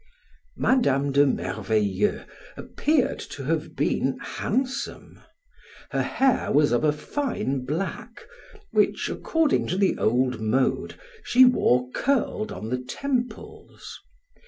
Madam de Merveilleux appeared to have been handsome; her hair was of a fine black, which, according to the old mode, she wore curled on the temples.